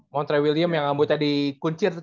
montrell william yang abu tadi kuncir kan